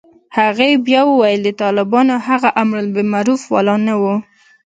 هغې بيا وويل د طالبانو هغه امربالمعروف والا نه و.